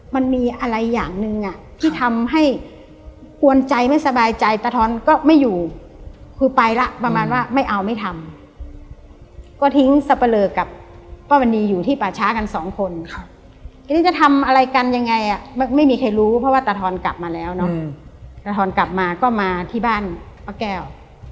เพราะว่าตะทอนกลับมาแล้วเนอะอืมตะทอนกลับมาก็มาที่บ้านปะแก้ว